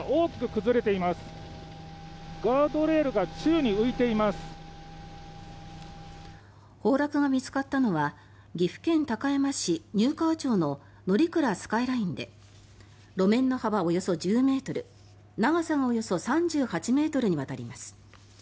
崩落が見つかったのは岐阜県高山市丹生川町の乗鞍スカイラインで路面の幅、およそ１０ｍ長さがおよそ３８ｍにわたります。